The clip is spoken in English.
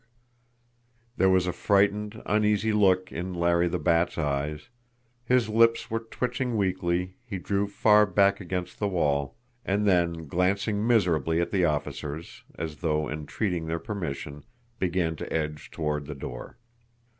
There was a frightened, uneasy look in Larry the Bat's eyes, his lips were twitching weakly, he drew far back against the wall and then, glancing miserably at the officers, as though entreating their permission, began to edge toward the door.